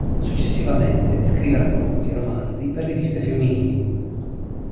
Successivamente scrive racconti e romanzi per riviste femminili.